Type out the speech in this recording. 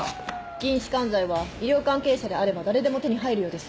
筋弛緩剤は医療関係者であれば誰でも手に入るようです。